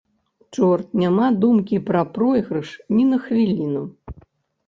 Чорт, няма думкі пра пройгрыш, ні на хвіліну.